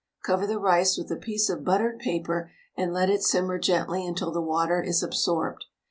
Cover the rice with a piece of buttered paper and let it simmer gently until the water is absorbed.